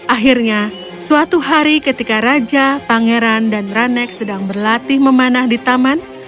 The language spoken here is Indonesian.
akhirnya suatu hari ketika raja pangeran dan ranek sedang berlatih memanah di taman